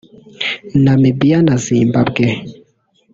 Namibia na Zimbabwe